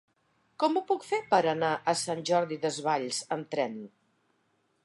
Com ho puc fer per anar a Sant Jordi Desvalls amb tren?